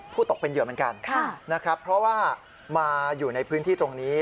ตกเป็นเหยื่อเหมือนกันนะครับเพราะว่ามาอยู่ในพื้นที่ตรงนี้